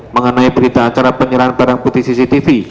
mengenai berita acara penyerahan barang bukti cctv